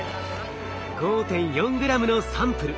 ５．４グラムのサンプル